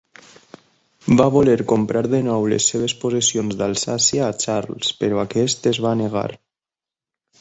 Va voler comprar de nou les seves possessions d'Alsàcia a Charles, però aquest es va negar.